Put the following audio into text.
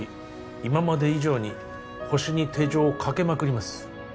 今まで以上にホシに手錠をかけまくります